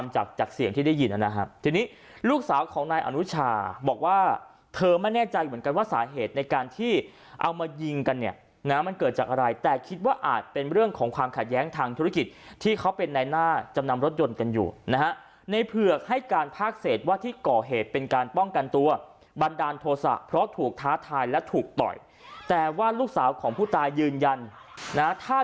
จากเสียงที่ได้ยินนะฮะทีนี้ลูกสาวของนายอนุชาบอกว่าเธอไม่แน่ใจเหมือนกันว่าสาเหตุในการที่เอามายิงกันเนี่ยนะมันเกิดจากอะไรแต่คิดว่าอาจเป็นเรื่องของความขาดแย้งทางธุรกิจที่เขาเป็นในหน้าจำนำรถยนต์กันอยู่นะฮะในเผือกให้การพากเศษว่าที่ก่อเหตุเป็นการป้องกันตัวบันดาลโทษะเพรา